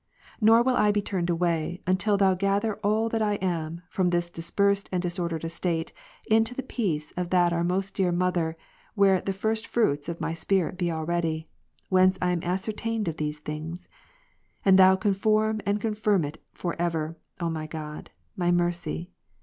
Nor will I be turned away, until Thou gather all that I am, from this dispersed * and disordered estate, into the peace of that our most dear mother, where ilie first fruits of my spirit ^ be already, (whence I am ascertained of these things,) and Thou conform and confirm it for ever, O my God, my Mercy.